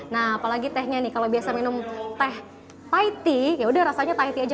nah apalagi tehnya nih kalau biasa minum teh paiti yaudah rasanya titi aja